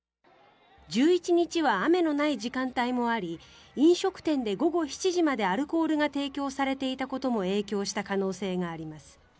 １１日は雨のない時間帯もあり飲食店で午後７時までアルコールが提供されていたことも影響した可能性があります。